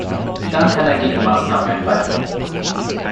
Dann kann er Gegenmaßnahmen ergreifen.